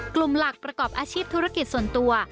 กลุ่มหลักประกอบอาชีพธุรกิจส่วนตัว